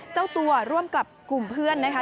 เจ้าตัวร่วมกับกลุ่มเพื่อนนะคะ